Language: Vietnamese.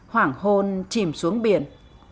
hoàng hôn chìm xuống biển